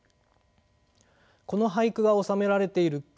この俳句が収められている句